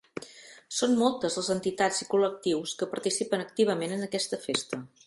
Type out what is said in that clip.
Són moltes les entitats i col·lectius que participen activament en aquesta festa.